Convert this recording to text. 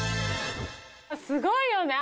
すごいよね。